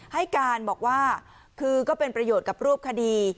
ให้การบอกว่าคือก็เป็นประโยชน์กับรูปคดี